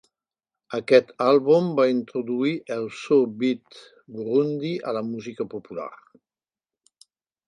Aquest àlbum va introduir el so "Beat Burundi" a la música popular.